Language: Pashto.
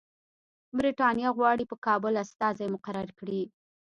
برټانیه غواړي په کابل استازی مقرر کړي.